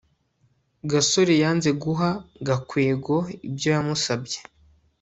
gasore yanze guha gakwego ibyo yamusabye